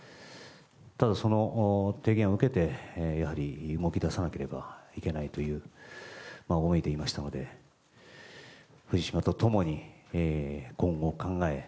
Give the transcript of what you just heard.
ただ、その提言を受けて動き出さなければいけないという思いでいましたので藤島と共に今後を考え